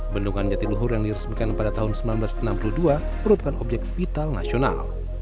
bendungan jatiluhur yang diresmikan pada tahun seribu sembilan ratus enam puluh dua merupakan objek vital nasional